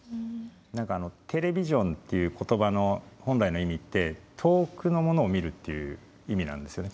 何かテレビジョンっていう言葉の本来の意味って遠くのものを見るっていう意味なんですよね